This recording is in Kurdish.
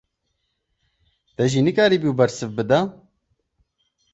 Te jî nikaribû bersiv bida!